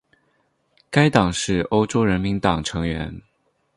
该党是欧洲人民党成员。